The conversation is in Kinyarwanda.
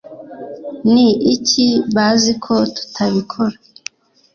ni iki bazi ko tutabikora